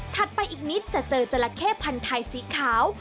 ไปอีกนิดจะเจอจราเข้พันธุ์ไทยสีขาว